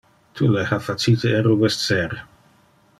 Tu le ha facite erubescer.